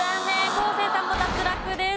昴生さんも脱落です。